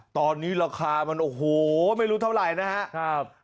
ตอนนี้ราคามันโอ้โหไม่รู้เท่าไหร่นะครับ